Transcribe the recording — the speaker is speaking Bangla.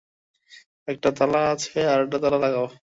একটা তালা আছে, আরেকটা তালা লাগাও।